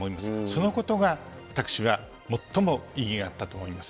そのことが私は最も意義があったと思います。